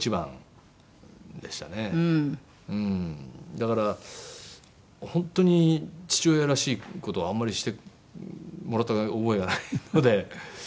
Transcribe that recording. だから本当に父親らしい事はあんまりしてもらった覚えがないので。